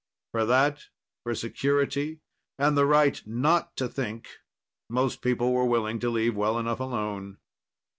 For that, for security and the right not to think, most people were willing to leave well enough alone.